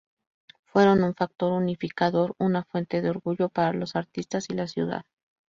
Fueron un factor unificador, una fuente de orgullo para los artistas y la ciudad.